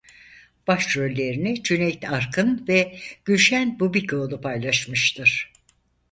Başrollerini Cüneyt Arkın ve Gülşen Bubikoğlu paylaşmıştır.